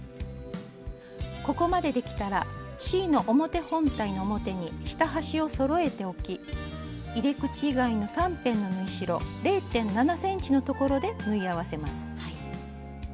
ここまでできたらＣの表本体の表に下端をそろえて置き入れ口以外の３辺の縫い代０．７ｃｍのところで縫い合わせます。